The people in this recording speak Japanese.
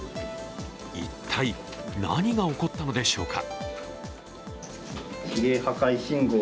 一体、何が起こったのでしょうか。